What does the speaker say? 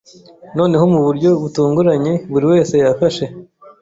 Noneho mu buryo butunguranye buri wese yafashe